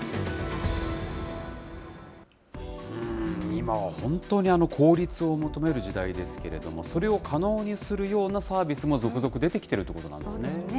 今は本当に効率を求める時代ですけども、それを可能にするようなサービスも、続々出てきているということなんですね。